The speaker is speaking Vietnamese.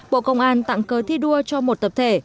bộ công an tặng cớ thi đua cho một tập thể